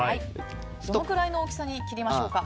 どのくらいの大きさに切りましょうか。